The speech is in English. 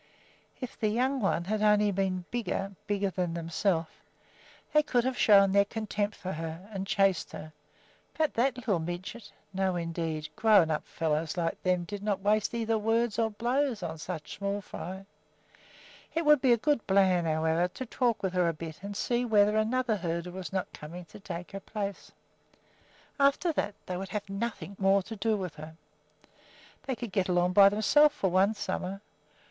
If the "young one" had only been bigger, bigger than themselves, they could have shown their contempt for her and chased her; but that little midget! no, indeed, grown up fellows like them did not waste either words or blows on such small fry! It would be a good plan, however, to talk with her a bit and hear whether another herder was not coming to take her place. After that they would have nothing more to do with her. They could get along by themselves for one summer.